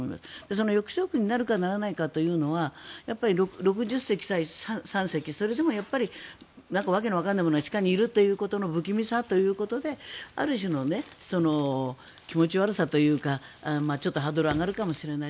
その抑止力になるかならないかというのは６０隻対３隻それでもやっぱり訳のわからないものが下にいるという不気味さということである種の気持ち悪さというかちょっとハードルが上がるかもしれない。